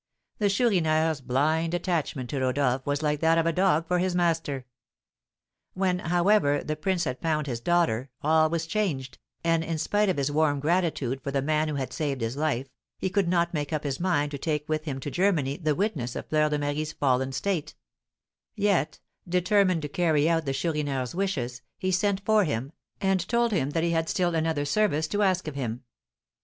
The Chourineur's blind attachment to Rodolph was like that of a dog for his master. When, however, the prince had found his daughter, all was changed, and, in spite of his warm gratitude for the man who had saved his life, he could not make up his mind to take with him to Germany the witness of Fleur de Marie's fallen state; yet, determined to carry out the Chourineur's wishes, he sent for him, and told him that he had still another service to ask of him.